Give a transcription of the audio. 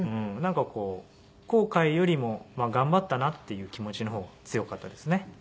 なんかこう後悔よりも頑張ったなっていう気持ちの方が強かったですね。